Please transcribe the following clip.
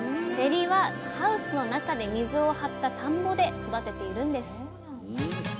せりはハウスの中で水を張った田んぼで育てているんです